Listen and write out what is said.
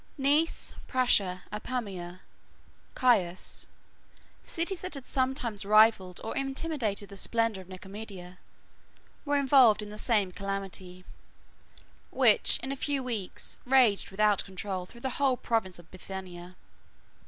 Nice, Prusa, Apamæa, Cius, 1121 cities that had sometimes rivalled, or imitated, the splendor of Nicomedia, were involved in the same calamity, which, in a few weeks, raged without control through the whole province of Bithynia.